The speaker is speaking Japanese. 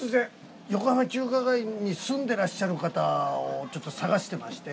横浜中華街に住んでらっしゃる方探してまして。